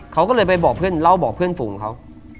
เขาก็เลยไปบอกเพื่อนเล่าบอกเพื่อนฝูงเขา